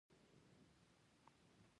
افغانستان کې ښارونه د چاپېریال د تغیر نښه ده.